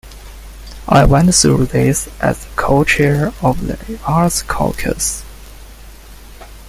I went through this as co-chair of the Arts Caucus.